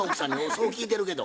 そう聞いてるけど。